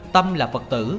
tâm là phật tử